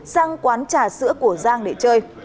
sang quán trà sữa của giang để chơi